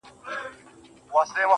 زړگى مي غواړي چي دي خپل كړمه زه.